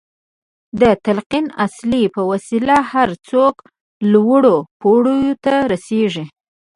د تلقين اصل په وسيله هر څوک لوړو پوړيو ته رسېږي.